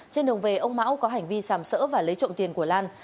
trên đường về ông mão có hành vi sàm sỡ và lấy trộm tiền của lan